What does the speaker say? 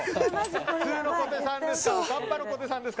普通の小手さんですか。